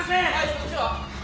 そっちは？